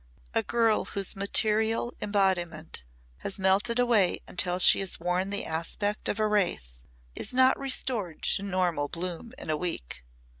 A girl whose material embodiment has melted away until she has worn the aspect of a wraith is not restored to normal bloom in a week.